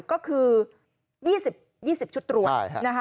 ก็คือ๒๐ชุดตรวจ